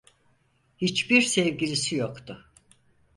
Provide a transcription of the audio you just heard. Hiçbir sevgilisi yoktu.